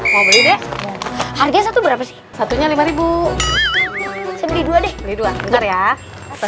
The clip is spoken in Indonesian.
harganya satu berapa sih satunya rp lima beli dua deh dua jadi rp sepuluh